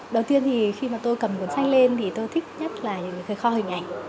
đầu tiên thì khi mà tôi cầm cuốn sách lên thì tôi thích nhất là những cái kho hình ảnh